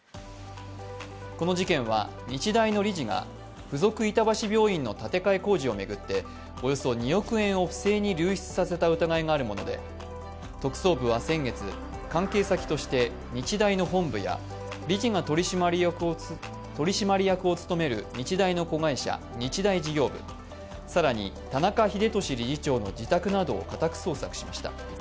この事件は日大の理事が附属板橋病院の建て替え工事を巡っておよそ２億円の不正に流出させた疑いのある事件で特捜部は先月、関係先として日大の本部や理事が取締役を務める日大の子会社、日大事業部、更に田中英寿理事長の自宅などを家宅捜索しました。